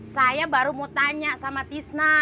saya baru mau tanya sama tisna